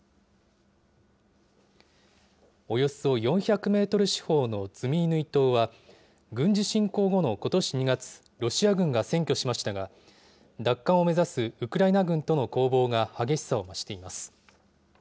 およそ４００メートル四方のズミイヌイ島は、軍事侵攻後のことし２月、ロシア軍が占拠しましたが、奪還を目指すウクライナ軍との攻防が激しさを増しています。